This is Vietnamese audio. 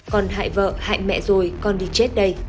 con hại vợ hại mẹ rồi con đi chết đây